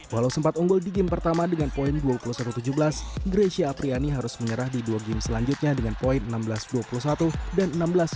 walau sempat unggul di game pertama dengan poin dua puluh satu tujuh belas grecia apriani harus menyerah di dua game selanjutnya dengan poin enam belas dua puluh satu dan enam belas dua puluh